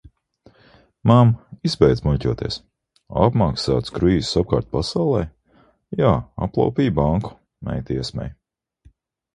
"Mamm, izbeidz muļķoties". Apmaksāts kruīzs apkārt pasaulei? "Jā, aplaupīju banku," meita iesmej.